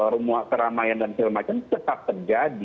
rumah keramaian dan filmacan tetap terjadi